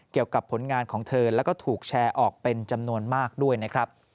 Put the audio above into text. เกี่ยวกับผลงานของเธอแล้วก็ถูกแชร์ออกเป็นจำนวนมากด้วยนะครับ